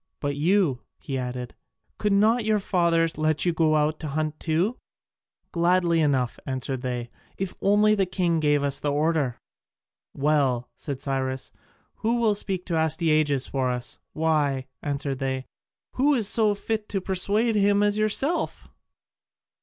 But you," he added, "could not your fathers let you go out to hunt too?" "Gladly enough," answered they, "if only the king gave the order." "Well," said Cyrus, "who will speak to Astyages for us?" "Why," answered they, "who so fit to persuade him as yourself?"